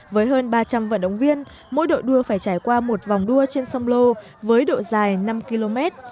với hơn ba trăm linh vận động viên mỗi đội đua phải trải qua một vòng đua trên sông lô với độ dài năm km